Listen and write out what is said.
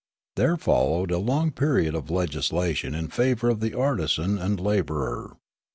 There followed a long period of legislation in favour of the artisan and labourer.